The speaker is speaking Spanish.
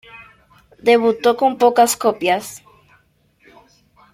Debutó con pocas copias.